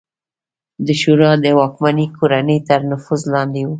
دا شورا د واکمنې کورنۍ تر نفوذ لاندې وه